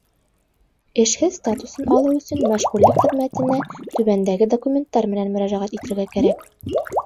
Эшһеҙ статусын алыу өсөн мәшғүллек хеҙмәтенә түбәндәге документтар менән мөрәжәғәт итергә кәрәк: